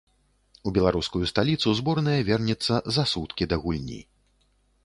У беларускую сталіцу зборная вернецца за суткі да гульні.